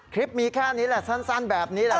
มีแค่นี้แหละสั้นแบบนี้แหละ